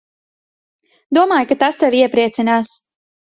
Domāju, ka tas tevi iepriecinās.